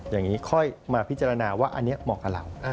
อย่างนี้ค่อยมาพิจารณาว่าอันนี้เหมาะกับเรา